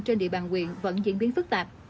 trên địa bàn huyện vẫn diễn biến phức tạp